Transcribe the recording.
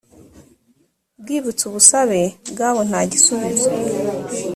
bwibutsa ubusabe bwabo nta gisubizo